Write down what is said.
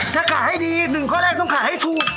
ถ้าขายให้ดีอีกหนึ่งข้อแรกต้องขายให้ถูก